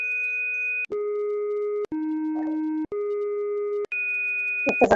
একটা জানালা আছে।